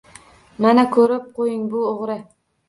Mana, ko`rib qo`ying bu o`g`ri